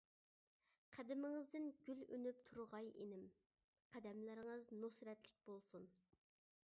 قەدىمىڭىزدىن گۈل ئۈنۈپ تۇرغاي ئىنىم، قەدەملىرىڭىز نۇسرەتلىك بولسۇن.